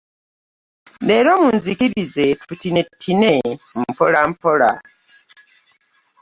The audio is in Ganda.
Leero munzikirize tutinetine mpolampola.